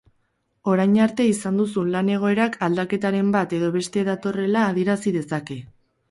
Orain arte izan duzun lan-egoerak aldaketaren bat edo beste datorrela adierazi dezake.